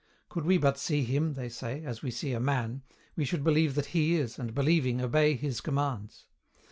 Could we but see Him, say they, as we see a man, we should believe that He is, and believing obey His commands.